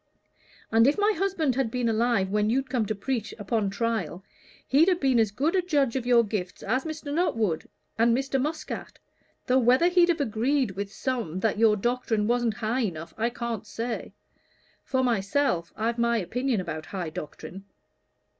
"And if my husband had been alive when you'd come to preach upon trial, he'd have been as good a judge of your gifts as Mr. Nuttwood or Mr. Muscat, though whether he'd have agreed with some that your doctrine wasn't high enough, I can't say. For myself, I've my opinion about high doctrine."